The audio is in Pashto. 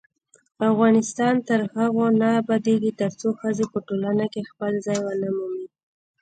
افغانستان تر هغو نه ابادیږي، ترڅو ښځې په ټولنه کې خپل ځای ونه مومي.